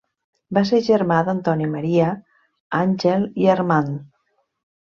Va ser germà d'Antoni Maria, Àngel i Armand.